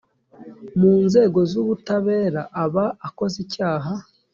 mu nzego z ubutabera aba akoze icyaha